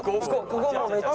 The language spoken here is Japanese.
ここもめっちゃ。